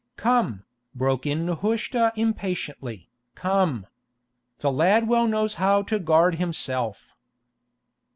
"Come," broke in Nehushta impatiently, "come. The lad well knows how to guard himself."